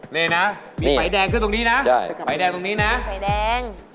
นี่นะมีไฟแดงขึ้นตรงนี้นะไฟแดงตรงนี้นะไฟแดง